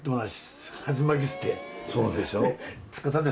そうでしょ？